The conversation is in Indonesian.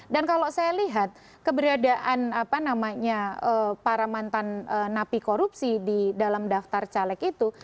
dan kalau saya lihat keberadaan apa namanya para mantan napi korupsi di dalam daftar caleg itu